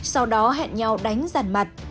sau đó hẹn nhau đánh giàn mặt